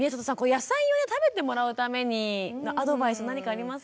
野菜を食べてもらうためにアドバイス何かありますか？